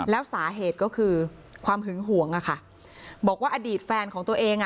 แล้วสาเหตุก็คือความหึงห่วงอะค่ะบอกว่าอดีตแฟนของตัวเองอ่ะ